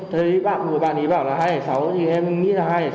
thấy bạn của bạn ấy bảo là hai sáu thì em nghĩ là hai sáu